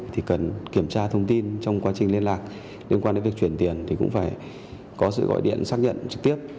thì cần kiểm tra thông tin trong quá trình liên lạc liên quan đến việc chuyển tiền thì cũng phải có sự gọi điện xác nhận trực tiếp